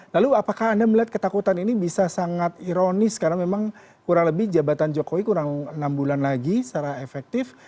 lalu apakah anda melihat ketakutan ini bisa sangat ironis karena memang kurang lebih jabatan jokowi kurang enam bulan lagi secara efektif